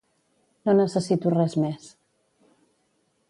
No necessito res més.